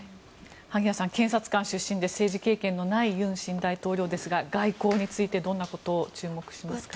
萩谷さん、検察官出身で政治経験のない尹新大統領ですが外交についてどんなことに注目しますか。